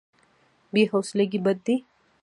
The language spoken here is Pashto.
بې حوصلګي بد دی.